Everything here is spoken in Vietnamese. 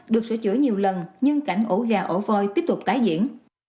được sửa chữa nhiều lần nhưng cảnh ổ gà ổ voi tiếp tục tái diễn